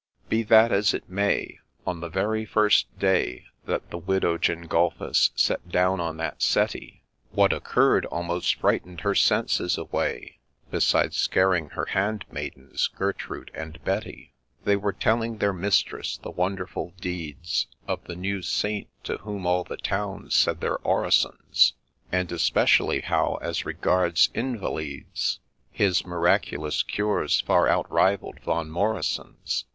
Be that as it may, on the very first day That the widow Gengulphus sat down on that settee, What occurr'd almost frighten'd her senses away, Beside scaring her hand maidens, Gertrude and Betty. They were telling their mistress the wonderful deeds Of the new Saint, to whom all the Town said their orisons : And especially how, as regards invalids, His miraculous cures far outrivall'd Von Morison's.